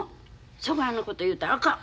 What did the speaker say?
そがいなこと言うたらあかん！